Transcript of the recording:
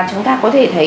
chúng ta có thể thấy